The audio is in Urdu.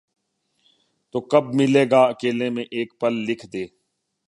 تو کب ملے گا اکیلے میں ایک پل لکھ دے